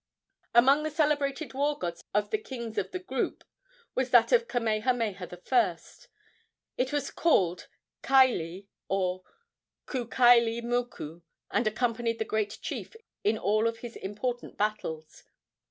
Among the celebrated war gods of the kings of the group was that of Kamehameha I. It was called Kaili, or Ku kaili moku, and accompanied the great chief in all of his important battles.